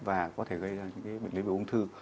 và có thể gây ra những bệnh lý về ung thư